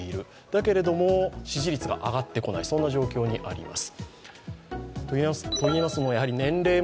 だけれども、支持率が上がってこない、そんな状況にあります。